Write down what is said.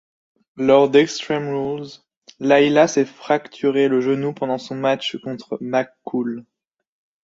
Lors d'Extreme Rules, Layla s'est fracturé le genou pendant son match contre McCool.